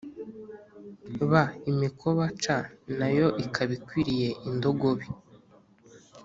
b imikoba c na yo ikaba ikwiriye indogobe